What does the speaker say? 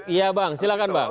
ya bang silahkan bang